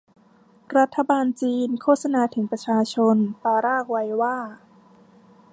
รัฐบาลจีนโฆษณาถึงประชาชนปารากวัยว่า